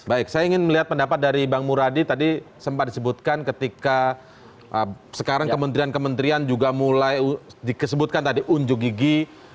baik saya ingin melihat pendapat dari bang muradi tadi sempat disebutkan ketika sekarang kementerian kementerian juga mulai disebutkan tadi unjuk gigi